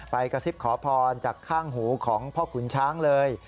กระซิบขอพรจากข้างหูของพ่อขุนช้างเลย